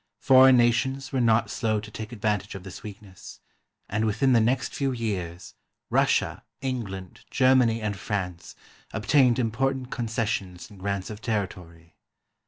Foreign nations were not slow to take advantage of this weakness, and within the next few years Russia, England, Germany, and France obtained important concessions and grants of territory.